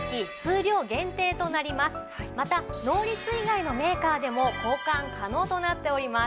またノーリツ以外のメーカーでも交換可能となっております。